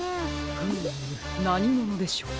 フームなにものでしょう。